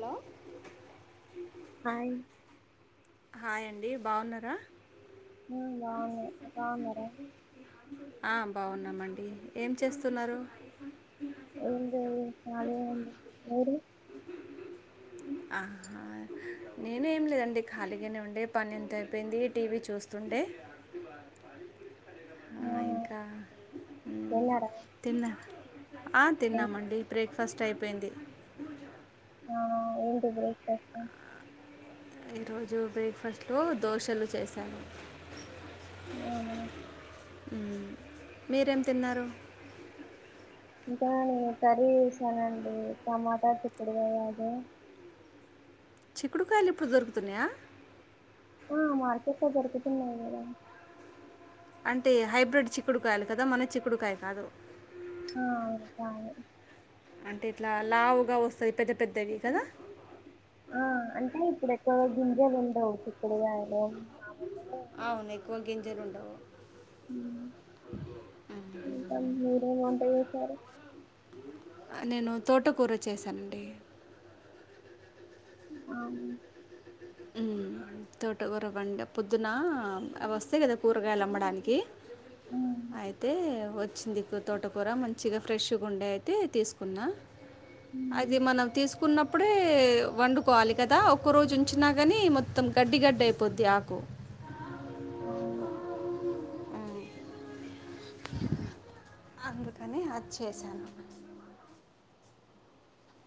Hello hi hi అండి. బాగున్నారా? మ్ బాగున్నా బాగున్నారా? ఆ బాగున్నామండి. ఏం చేస్తున్నారు? ఏంలేదు. నాదేముంది మీరు? ఆహా నేను ఏం లేదండి ఖాళీగానే ఉండె పని అంత అయిపోయింది టీవీ చూస్తు చూస్తుంటే ఆ ఇంకా తిన్నారా తిన్నా ఏం తిన్నామండి. బ్రేక్ఫాస్ట్ అయిపోయింది. ఆ ఏంటి బ్రో ఈరోజు బ్రేక్ఫాస్ట్ లో దోశలు చేశాను. అవును మీరేం తిన్నారు? ఇంకా నేను కర్రీ చేసానండి టమాటా చిక్కుడుగాయ అది చిక్కుడుకాయలు ఇప్పుడు దొరుకుతున్నాయా? ఆ మార్కెట్ లో దొరుకుతున్నాయి అండి అంటే హైబ్రిడ్ చిక్కుడుకాయలు కదా, మన చిక్కుడుకాయలు కాదు. రాలే అంటే ఇట్లా లావుగా వస్తాయి పెద్ద పెద్దవి కదా. ఆ అంటే ఇప్పుడు ఎక్కువ గింజలు ఉండవు చిక్కుడుగాయలు మామూలుగా అవును ఎక్కువ గింజలు ఉండవు. ఇంకా మీరేం వంట చేశారు. నేను తోటకూర చేశానండి. అవును. మ్ తోట కూరవండా. పొద్దున అవి వస్తాయి కదా కూరగాయలు అమ్మడానికి ఉమ్ అయితే వచ్చిందికు తోటకూర మంచిగా ఫ్రెష్గే ఉండే అయితే తీసుకున్నా ఉమ్ అది మనం తీసుకున్నప్పుడే వండుకోవాలి కదా ఒక్క రోజు వచ్చినా కానీ మొత్తం గడ్డి గడ్డ అయిపోద్ంది ఆకు ఆవును అందుకని అది చేశాను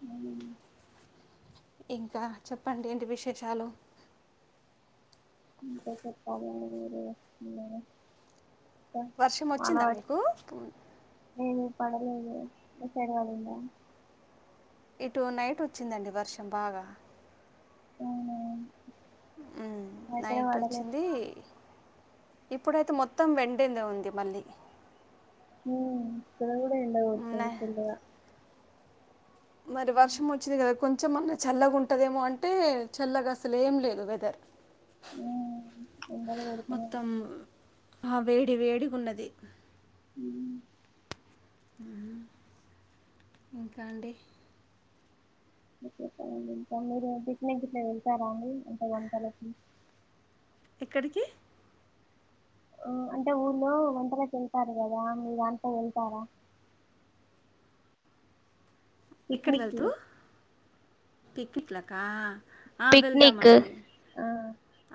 హ్మ్ ఇంకా చెప్పండి ఏంటి విశేషాలు ఇంకా చెప్పాలండి మీరే ఏమైనా తాంక్స్ వర్షం అనై వచ్చిందా మీకు లేదు పడలేదు మీ సైడ్ పడిందా ఇటు నైట్ వచ్చిందండి వర్షం బాగా ఆవునా ఆ నైట్ వచ్చింది వాన ఇప్పుడైతే మొత్తం వెండింద ఉంది మళ్ళీ హ్మ్ రోజు ఎండ ఉమ్, కొడతంది నే- ఫుల్ల్గ మరి వర్షం వచ్చింది కదా కొం కొంచెం మన్న చల్లగా ఉంటుదేమో అంటే చల్లగా అసలు ఏం లేదు వెదర్ ఆ ఎండలు కొడుతునై మొత్తం ఆ వేడి వేడిగ ఉన్నంది హమ్ ఇంకండి కేండి ఇంకా మీరు పిక్నిక్ గిట్ల వెళ్తారా అండి అంటే వంటలకి ఎక్కడికి ఆ అంటే ఊళ్ళో వంటలకేళ్తారు కదా మీ దాంట్లో వెళ్తారా పక్నిక్ లు పిక్నిక్ లకా ఆ పిక్నిక్ వెళ్తామండి ఆ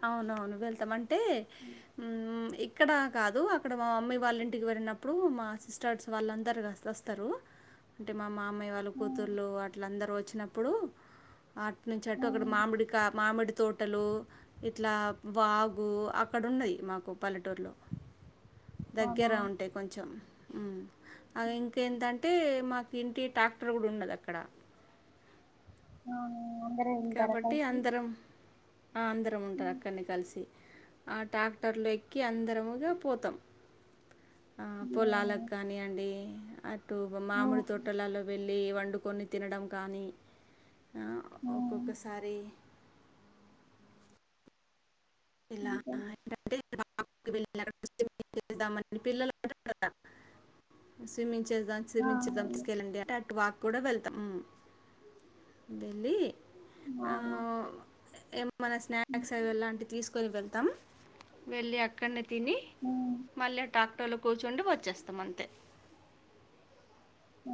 అవును వెళ్తామంటే హ్మ్ ఇ ఇక్కడ కాదు అక్కడ మా మమ్మీ వాళ్ళ ఇంటికి వెళ్ళినప్పుడు మా సిస్టర్స్ వాళ్ళందరు వస్త వస్తారు అంటే మా మామయ్యవాలు ఉమ్ కూతుళ్ళ అట్లందరుూ వచ్చినప్పుడు అట్ నుంచి అట్టు అక్కడ ఉమ్ మామిడి కా మామిడి తోటలు ఇట్లా వాగు అక్కడ ఉన్నాయ్ మాకు పల్లెటూరులో అవునా దగ్గర ఉంటాయి కొంచెం హ్మ్ ఆ ఇంకేంటంటే మాకు తీనికి టాక్టర్ కూడా ఉన్నది అక్కడ ఆ అందరు వెళ్తారా కాబట్టి కలిసి అందరం అందరం ఉంటారు అక్కడినే కలిసి ఆ ట్రాక్టర్లో ఎక్కి అందరముగా పోతాం ఆ ఉమ్ పొలాలకి కానియండి అటు డే మామిడి తోటలోల వెళ్లి వండుకొని తినడం కానీ ఆ ఒక్కొక్కసారి ఇలా ఏంటంటే [unintelligible] చేద్దామ పిల్లలు కుడా స్విమ్మింగ్ చేదాం చేమించద్దాం తీసుకెళండి ఆటే వాక్ కూడా వెళ్తాం వెళ్ళి ఆ మన స్నాక్స్ అవి ఎలాంటివి తీసుకుని వెళ్తాం వెళ్ళి అక్కడనే తిని మళ్ళి టాక్టర్లొ కూర్చుండు వచ్చేస్తమంతె.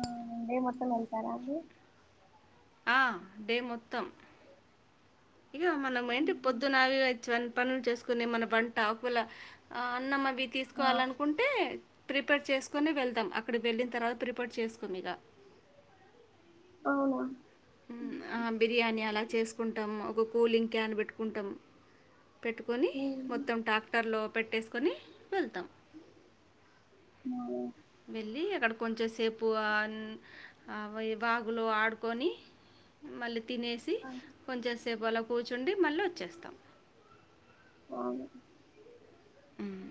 ఆ డే మొత్తం వెళ్తారా అండి. ఆ డే మొత్తం ఇగొ మనమేంటి పొద్దున అవివచ్చివన్ పనుల్ చేస్కొని మన వంట ఒక్వేళ ఆ అన్నమవి ఆ, తీస్కోవాలన్కుంటే ప్రిపేర్ చేస్కొని వెళ్తాం అక్కడికి వెళ్ళిన్ తర్వాత ప్రిపడ్ చేస్కోమిగ. ఔన ఊమ్ ఆ బిర్యానీ అలా చేసుకుంటామ్ ఒక కూలింగ్ క్యాన్ పెట్టుకుంటం పెట్టుకొని ఉమ్, మొత్తం టాక్టర్లో పెట్టేస్కొని వెళ్తాం. మా వెళ్ళీ అక్కడ కొంచె సేపు ఆన్ అవయ్ వాగులొ ఆడుకోని మళ్ళి తినేసి కొంచెంసేపు అలా కూర్చుండి మళ్ళా వచ్చేస్తాం. [unintelligible] ఊమ్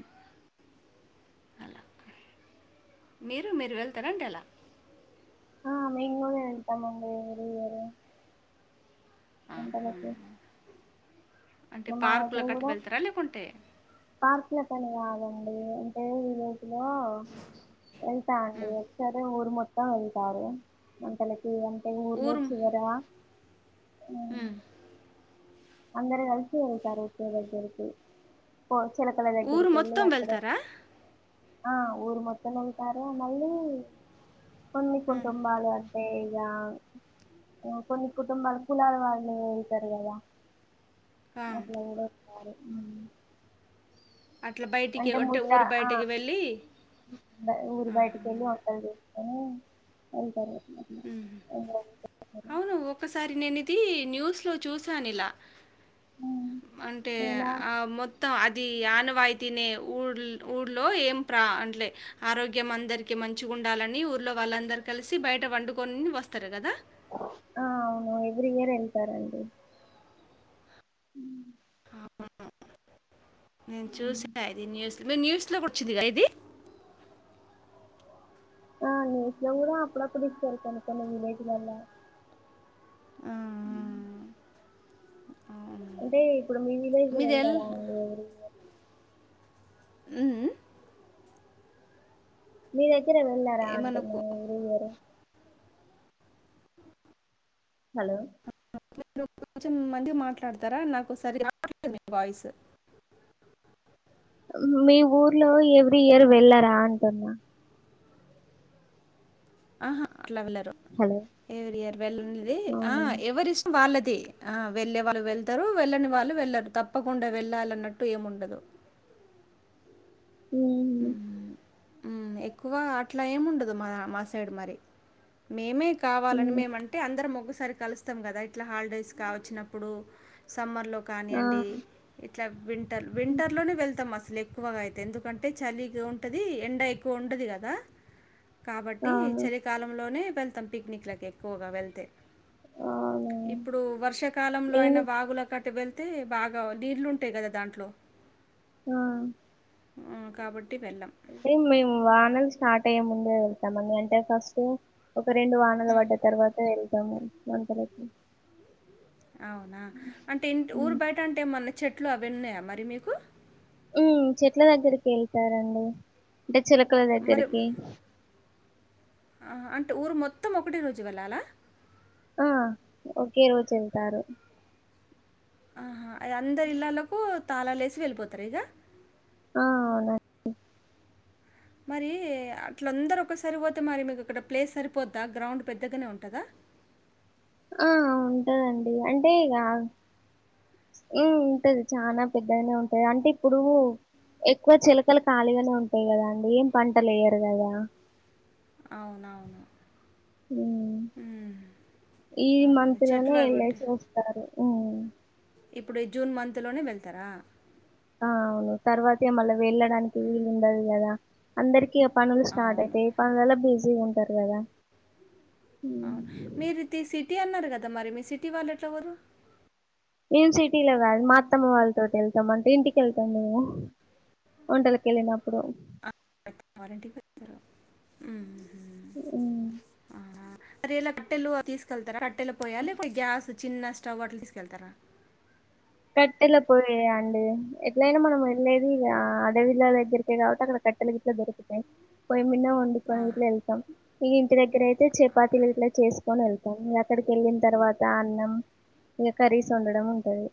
అల మీరు మీర్ వెళ్తరండి అల. ఆ మేమ్ గునా వెళ్తామండి ఎవ్రి ఇయర్ ఎంటలకి అంటె పార్కులకట్ వెళ్తర లేకుంటె పార్క్లకని గాదండీ అంటే విలేజ్ లో వెళ్తా అండి ఒక్సారి ఊరు మొత్తం వెళ్తారు వంటలకి ఈ అంటె ఊర్లో ఊరు చివరా ఊమ్ మ్, అందరు గల్సి వెళ్తారు ఒకే దగ్గర్కి. పొ చిలకల ఊరు దగ్గరికెళ్లి మొత్తం అక్కడె వెళ్తారా ఆ ఊరు మొత్తముంటారు మళ్లీ కొన్ని కుంటుంబాలు అంటే ఇగా ఊ కొన్ని కుటుంబాల్ కులాల వాళ్ళు ఉంటర్ గద. ఆ, అట్ల ఉండె సారి అట్లా బయటికి అంటె అంటే ముంద ఊరు అ బయటికి వెళ్ళి మ్ అ ఊరు బైటికెళ్ళి వంటల్ జేస్ ఊమ్ వెళ్తరు. ఊహు ఔను ఒకసారి నేనిది న్యూస్ లొ చూసానిలా ఉమ్. అంటే ఇలా ఆ మొత్ త్తం అది ఆనవాయితినే ఊల్ ఊళ్లో ఏం ప్రా అంట్లె ఆరోగ్యం అందరికి మంచిగుండాలని ఊర్లో వాళ్ళందర్ కలిసి బయట వండుకొన్ వస్తరు గద. ఎవ్రి ఇయరెళ్తరండి. ఊమ్. నేను చూసా ఇది న్యూస్ మే న్యూస్ గూచ్చిందిగా ఇది. ఆ న్యూస్లొ గుడా అప్పుడప్పుడిచ్చారు కొన్ని కొన్ని విలేజ్లల్ల ఆ! ఊమ్. ఆ! అవును. అంటే ఇప్పుడు మీ విలేజ్ లొ మీదెల్ వెళ్ళరా అండి ఎవ్రి ఇయర్ మ్ మ్ మీ దగ్గర వెళ్ళారా ఏ అండి [unintelligible] మనకు ఎవ్రి ఇయరు హలో. మీరు కొంచెం మంచిగ్ మాట్లాడ్తారా నాకు సరిగ్గ రావట్లేదు మీ వాయ్స్ మ్ మీ ఊర్లో ఎవ్రీ ఇయర్ వెళ్ళరా అంటున్న అహ అట్ల వెళ్లరు హలో ఎవ్రి ఇయర్ వెళ్ళుండేది ఆ అవునా ఎవరిష్టం వాళ్ళది తి ఆ వెళ్ళే వాళ్ళు వెళ్తరు వెళ్ళని వాళ్ళు వెళ్లరు తప్పకుండ వెళ్ళాలన్నట్టు ఏముండదు. ఉ ఉ ఉమ్ ఉ ఎక్కువ అట్లా ఏమిండదు మా మా సైడ్ మరి మేమే కావాలని ఉమ్ మేము అంటే అందరం ఒకసారి కలుస్తాం కదా ఇట్లా హాలిడేస్ కా వచ్చినప్పుడు స్కూ సమ్మర్లో కాని ఆ అండి ఇట్లా వింటర్ వింటర్లోనే వెళ్తాం అసలు ఎక్కువగా అయితే ఎందుకంటే అంటే చలి ఉంటుంది ఎండ ఎక్కువ ఉదు కదా కాబట్టి అవును చలి కాలంలోనే వెళ్తాం పిక్నిక్ లకు ఎక్కువగా వెళ్తే అవునా ఇప్పుడు వర్షాకాలంలో అయిన నేను వాగులు కట్ట వెళ్ అయితే బాగా నీళ్లు ఉంటాయి కదా దాంట్లో ఆ ఆ కాబట్ అంటే మేము వానలు స్టార్ట్ అయ్యే ముందుే వెళ్తామని అంటే ఫస్ట్ ఒక రెండు వానలు పడ్డ తర్వాత వెళ్దాము మంత్లీ కి అవునా అంటే ఇంటి ఊరు ఉమ్ బయట అంటే ఏమన్నా చెట్లు అవి ఉన్నాయా మరి మీకు ఉ చెట్ల దగ్గరికి వెళ్తారండి అంటే చిలకల దగ్గరికి ఆ అంటే ఊరు మొత్తం ఒకటి రోజు వెళ్ళాలా ఆ ఒకే రోజు వెళ్తారు ఆహా అ అందరు ఇళ్లళ్ళకు తాళాలుేసి వెళ్ళిపోతారు ఇగా ఆ అవునండి మరి అట్లందరు ఒకసారిపోతే మరి మీకు అక్కడ ప్లేస్ సరిపోద్దా గ్రౌండ్ పెద్దగానే ఉంటుందా [inaudible] ఆ ఉంటదండి అంటే ఇగా ఉ ఉంటది చనా పెద్దనే ఉంటాయి అంటే ఇప్పుడు ఎక్కువ చిలకలు ఖాళీగానే ఉంటాయి కదా అండి ఏం పంటలు లేయరు కదా అవునవును ఉ ఈ అవును. మంత్ లోనే చెట్లు అవి వెళ్లేసి ఉంటాయి. చూస్తారు ఉ ఇప్పుడు ఈ జూన్ మంత్లోనే వెళ్తారా ఆ అవును తర్వాతే మళ్ళ వెళ్ళడానికి వీలు ఉండదు కదా అందరి కి పనులు స్టార్ట్ అవును. అయితాయి పనులలా బిజీగా ఉంటారు కదా ఉమ్. అవును. మీరిది సిటీ అన్నారు కదా మరి మీ సిటీ వాళ్లు వెట్లపోరు ఏం సిటీలో కాదు మా అత్తమ్మ వాళ్లతోటి వెళ్తామ అంటే ఇంటికి వెళ్తాం మేము వంటలకిెలిినప్పుడు ఆ వాలింటికి వెళ్తారు ఉ ఉ అరేలా కట్టెలు తీసుకెళ్తారా కట్టెలు పోయా లేపోతే గ్యాస్ చిన్న స్టవ్ అట్ల తీసుకెళ్తారా కట్టెల పోయే అండి ఎట్లయినా మనం వెళ్ళలేది ఇగ అదవిల దగ్గరికే కావట్టి అక్కడ కట్ కట్టెలు గిట్ల దొరుకుతాయి పోయి మిన్న వండుకొని ఇట్లా వెళ్తాం ఇగ ఇంటి దగ్గర అయితే చపాతీలు ఇట్లా చేసు కొని వెళ్తాం ఇగా అక్కడికి వెళ్ళిన తర్వాత అన్నం ఇగ కర్రీస్ వండడం ఉంటది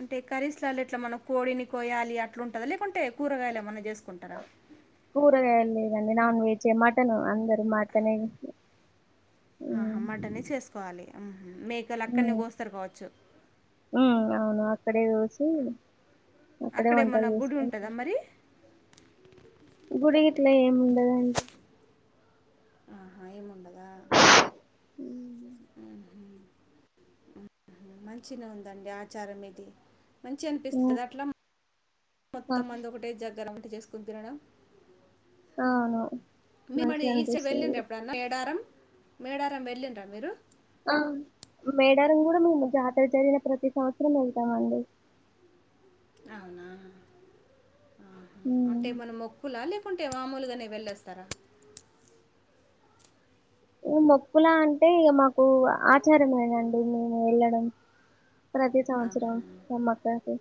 అంటే కరీస్లలు ఇట్లా మనం కోడిని కోయాలి అట్లా ఉంటదా లేకుంటే కూరగాయలు ఏమన్నా చేస్ ఆ కూరగాయలు లేదండి నాన్ వెజ్ ఏ మటను అందరు మటన్ నుంచి ఆహా మటనే చేసుకోవాలి ఉ ఉ మేకలు అక్కడనే కోస్తారు కావచ్చు మ్మ్ అవును అక్కడే ఓసి అక్కడే వంటలు అక్కడేమన్నా గుడి చేసుకొని ఉంటదా మరి? గుడి గిట్లా ఏమి ఉండదండి ఆహా ఏం ఉండదా మ్ హు మంచిగా ఉందండి ఆచారం మీది మంచి మ్మ్ అనిపిస్తది అట్లా ఆ మొత్తం మంది ఒకటే జగ్గరం అట్ట చేసుకుని తినడం అవును మిమ్మల్ని మంచిగా ఈస అనిపిస్తది వెళ్ళిన్ ఎప్పుడన్నా మేడారం మేడారం వెళ్ళిండ్ర మీరు అ! మేడారం కూడా మేము జాతర జరిగిన ప్రతి సంవత్సరం వెళ్తామండి అవునా ఆహా హ్మ్. అంటే మన మొక్కులా లే కుంటే మామూలుగానే వెళ్ళి వస్తారా మొక్కులా అంటే ఇగ మాకు ఆచారమేనండి నేను వెళ్ళడం ప్రతి సంవత్సరం సమక్కకి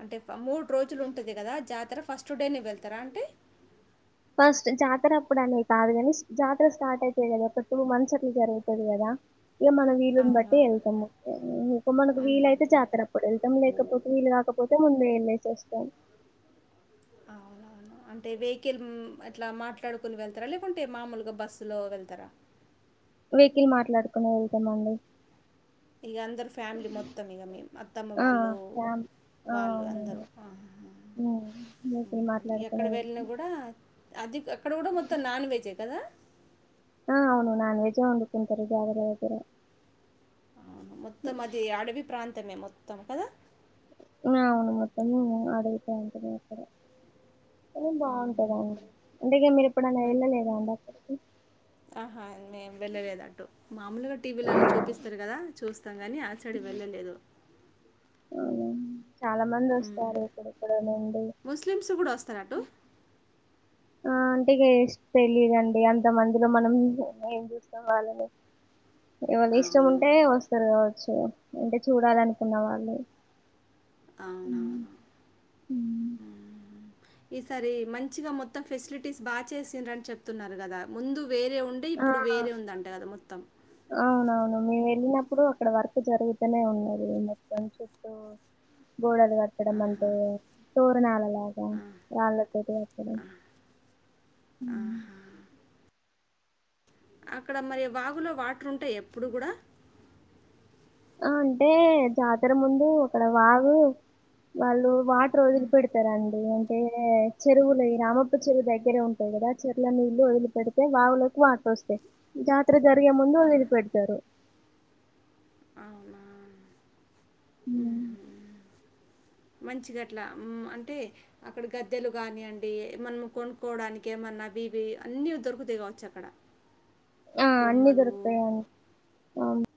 అంటే మూడు రోజులు ఉంటది కదా జా తర ఫస్ట్ డేనే వెళ్తార అంటే ఫస్ట్ జాతర అప్పుడు అనే కాదు గాని జాతర స్టార్ట్ అయితయ్ కదా ఒక టూ మంత్స్ అట్ల జరుగుతాది గదా ఇగ మన వీలుని బట్టి అవునవును ఎళ్తాము ఇంక మనకు వీలైతే జాతర అప్పుడు ఎళ్తాము లేకపోతే వీలు కా కాకపోతే ముందు ఈడ్నే చేస్తాం అవున అంటే వెహికల్ అట్ల మాట్లాడుకుని వెళ్తర లేకుంటే మామూలుగా బస్సు లో వెళ్తర [inaudible] వెహికిల్ మాట్లాడుకునే వెళ్తామండి ఇగ అందరు ఫ్యామిలీ మొత్తం ఇగ మేమ్ అత్తమ్మ ఆ వాళ్ళు ఫ్యామ్ ఆ వాళ్ళు అందరు అవునండి ఆ హ్మ్. వెహికల్ ఎక్కడ మాట్లాడుకునే వెళ్తాం వెళ్ళినా గూడా అది అక్కడ కూడా మొత్తం నాన్ వెజ్యే కదా ఆ అవును నాన్ వెజ్యే వండుకుంటారు జాతర దగ్గర మొత్తం అది అడవి ప్రాంతమే మొత్తం కదా న అవును మొత్తము అడవి ప్రాంతమే అక్కడ కాని బావుంటదండి ఇంతకి మీరు ఎప్పుడన్న మం- ఎళ్ళలేదా అండి అక్కడికి మేమ్ వెళ్ళలేదు అంటు మామూలుగా టీవీలలో చూపిస్తారు కదా చూస్తాం గాని ఆ సైడు వెళ్ళలేదు అవునా చాలా మంది వస్తారు ఎక్కడెక్కడో ను ముస్లిమ్స్ కూడా వస్తార అటు ఆ అంటిగేస్ తెలీదండి అంత మందిలో మనం ఏం చూస్తాం వాళ్ళని అ ఎవల్ ఇష్టం ఉంటే వస్తారు గావచ్చు అంటే చూడాలనుకున్న వాళ్ళు ఉమ్, అవునవును ఉమ్. ఈసారి మంచిగా మొత్తం ఫెసిలిటీస్ బాగా చేసిండ్రు అని చెప్తున్నారు గదా ముందు వేరే ఉండే ఆ ఇప్పుడు వేరే ఉందంట కదా మొత్తం ఇప్పుడు అక్కడ వర్క్ జరుగుతనే ఉన్నది మొత్తం సిఫ్టు గోడలు కట్టడం అంటే తోరనాలల అద రాళ్ళతోటి కట్టడం అక్కడ మరి వాగులో వాటర్ ఉంటాయ్ ఎప్పుడు గూడ ఆ అంటే జాతర ముందు అక్కడ వాగు వాళ్ళు వా రోజులు పెడతారండి [inaudible] చెరువులు ఈ రామప్ప చెరువు దగ్గరే ఉంటాయి కదా చెరువులో నీళ్ళు వదిలి పెడితే వావులకు వాటర్ వస్తాయి జాతర జరిగే ముందు ఇది పెడతారు [inaudible] అవునా మ్మ్ మంచి గట్లా అంటే అక్కడ గద్దెలు కాని అండి మనం కొనుకోవడానికి ఏమన్నా అబీబి అన్ని దొరుకుతాయి కావచ్చు అక్కడ ఆ అన్నీ బొమ్మలు దొరుకుతాయండి